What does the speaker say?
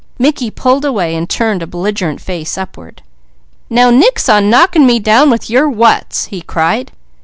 Mickey pulled away and turned a belligerent face upward. "Now nix on knocking me down with your 'whats!'" he cried.